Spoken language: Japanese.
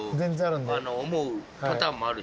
思うパターンもあるし。